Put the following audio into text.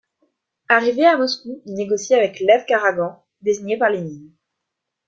Arrivé à Moscou, il négocie avec Lev Karakhan, désigné par Lénine.